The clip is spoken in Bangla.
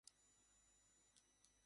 এটা তাকে অসুখী করে তোলে।